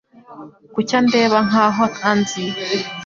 Kuki andeba nkaho anzi?